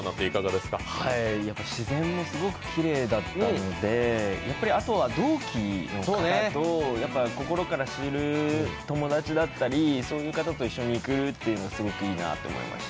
やっぱ自然もすごくきれいだったので、あとは同期の方と心から知る友達だったり、そういう方と一緒にいくっていうのがいいなって思いました。